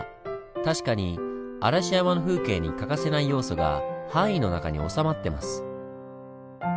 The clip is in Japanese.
確かに嵐山の風景に欠かせない要素が範囲の中に収まってます。